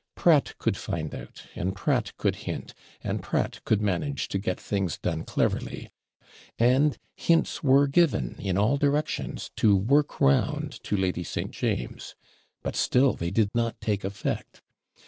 Pratt could find out, and Pratt could hint, and Pratt could manage to get things done cleverly and hints were given, in all directions, to WORK ROUND to Lady St. James. But still they did not take effect.